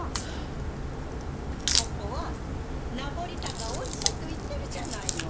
ここはナポリタンがおいしいと言ってるじゃないの！